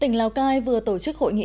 tỉnh lào cai vừa tổ chức hội nghị